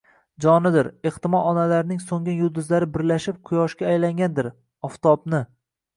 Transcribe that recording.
jonidir. Ehtimol, onalarning so'ngan yulduzlari birlashib quyoshga aylangandir. Oftobni